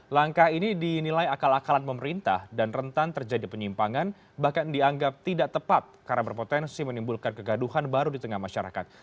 langkah ini dinilai akal akalan pemerintah dan rentan terjadi penyimpangan bahkan dianggap tidak tepat karena berpotensi menimbulkan kegaduhan baru di tengah masyarakat